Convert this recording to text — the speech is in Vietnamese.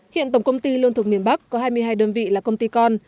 hiện tổng công ty lương thực miền bắc có hai mươi hai đơn vị là công ty con